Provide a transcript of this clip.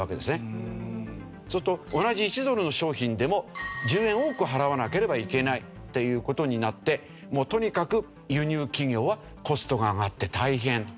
すると同じ１ドルの商品でも１０円多く払わなければいけないという事になってもうとにかく輸入企業はコストが上がって大変。